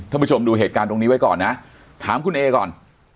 ผู้ชมดูเหตุการณ์ตรงนี้ไว้ก่อนนะถามคุณเอก่อน